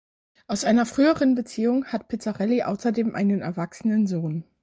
Aus einer früheren Beziehung hat Pizzarelli außerdem einen erwachsenen Sohn.